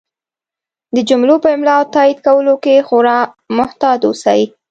د جملو په املا او تایید کولو کې خورا محتاط اوسئ!